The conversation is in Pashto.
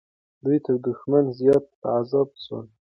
دوی تر دښمن زیات په عذاب سول.